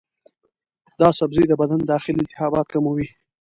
دا سبزی د بدن داخلي التهابات کموي.